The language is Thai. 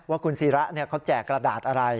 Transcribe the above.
ว่าคุณศิระเขาแจกกระดาษอะไร